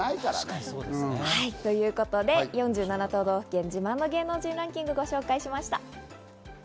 ４７都道府県、自慢の芸能人ランキングをご紹介しました。